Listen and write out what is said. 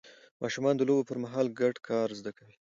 ماشومان د لوبو پر مهال ګډ کار زده کوي